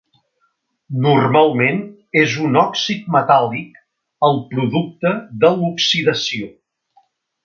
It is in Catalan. Normalment és un òxid metàl·lic, el producte de l"oxidació.